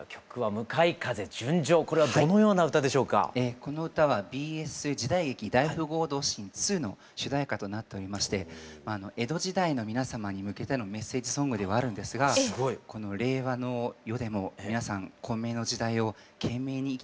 この歌はＢＳ時代劇「大富豪同心２」の主題歌となっておりまして江戸時代の皆様に向けてのメッセージソングではあるんですがこの令和の世でも皆さん混迷の時代を懸命に生き